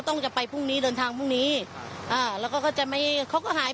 ต้องจะไปพรุ่งนี้เดินทางพรุ่งนี้อ่าแล้วก็เขาจะไม่เขาก็หาย